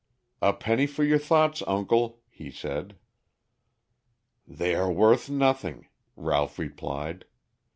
"A penny for your thoughts, uncle," he said. "They are worth nothing," Ralph replied.